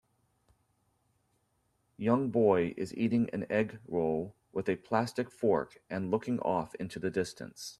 Young boy is eating an egg roll with a plastic fork and looking off into the distance.